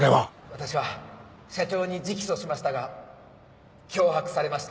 私は社長に直訴しましたが脅迫されました。